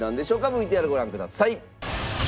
ＶＴＲご覧ください。